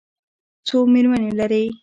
څو مېرمنې لري؟